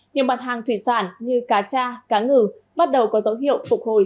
nhiều mặt hàng thủy sản như cá cha cá ngừ bắt đầu có dấu hiệu phục hồi